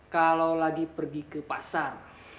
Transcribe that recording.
kalau lagi pergi ke pasar